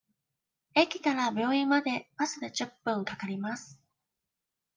駅から病院までバスで十分かかります。